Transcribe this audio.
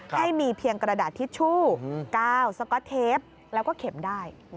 ให้มีเพียงกระดาษทิชชู่๙สก๊อตเทปแล้วก็เข็มได้